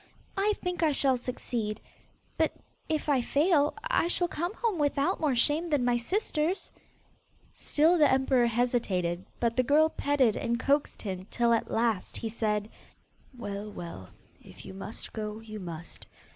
I think I shall succeed, but if I fail, I shall come home without more shame than my sisters.' Still the emperor hesitated, but the girl petted and coaxed him till at last he said, 'Well, well, if you must go, you must.